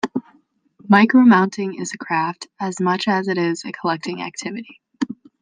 Micromounting is a craft, as much as it is a collecting activity.